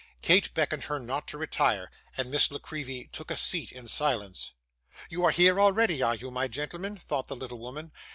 Kate beckoned her not to retire, and Miss La Creevy took a seat in silence. 'You are here already, are you, my gentleman?' thought the little woman.